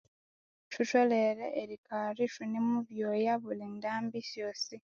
Thutholere eryikalha ithune mubyoya buli ndambi syosi.